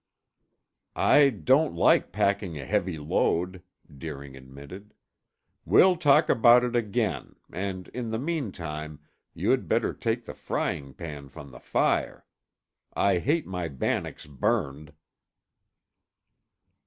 "I don't like packing a heavy load," Deering admitted. "We'll talk about it again, and in the meantime you had better take the frying pan from the fire. I hate my bannocks burned."